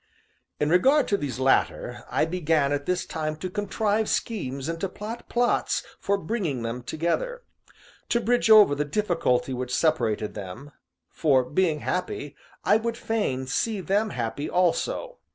In regard to these latter, I began, at this time, to contrive schemes and to plot plots for bringing them together to bridge over the difficulty which separated them, for, being happy, I would fain see them happy also.